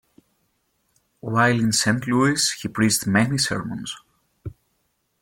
While in Saint Louis, he preached many sermons.